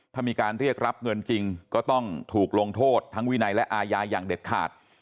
ถ้ามีการเรียกรับเงินจริงก็ต้องถูกลงโทษทั้งวินัยและอาญาอย่างเด็ดขาด